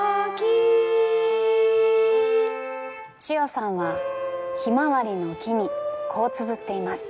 千代さんは「ひまわりの記」にこうつづっています。